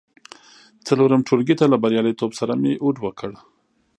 څلورم ټولګي ته له بریالیتوب سره مې هوډ وکړ.